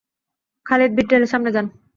খালিদ ভীড় ঠেলে সামনে যান।